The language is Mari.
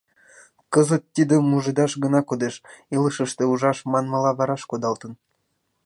Кызыт тидым мужедаш гына кодеш, илышыште ужаш, манмыла, вараш кодалтын.